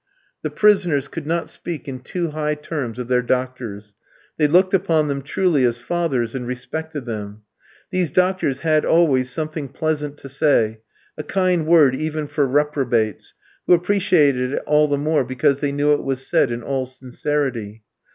The prisoners could not speak in too high terms of their doctors. They looked upon them truly as fathers and respected them. These doctors had always something pleasant to say, a kind word even for reprobates, who appreciated it all the more because they knew it was said in all sincerity.